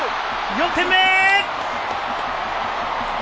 ４点目！